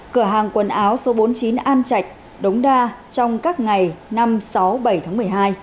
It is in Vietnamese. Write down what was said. cửa hàng quần áo số bốn mươi chín an trạch đống đa trong các ngày năm sáu bảy tháng một mươi hai